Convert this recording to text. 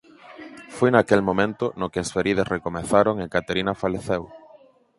Foi naquel momento no que as feridas recomezaron e Caterina faleceu.